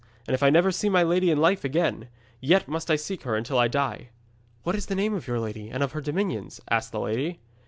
And if I never see my lady in life again, yet must I seek for her until I die.' 'What is the name of your lady and of her dominions?' asked the lady.